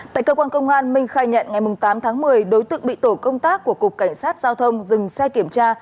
tại cơ quan công an minh khai nhận ngày tám tháng một mươi đối tượng bị tổ công tác của cục cảnh sát giao thông dừng xe kiểm tra